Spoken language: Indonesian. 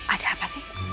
ada apa sih